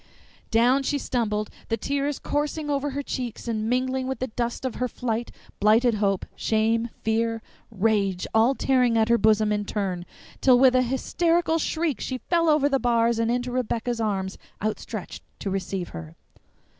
Down she stumbled, the tears coursing over her cheeks and mingling with the dust of her flight; blighted hope, shame, fear, rage, all tearing her bosom in turn, till with a hysterical shriek she fell over the bars and into Rebecca's arms outstretched to receive her.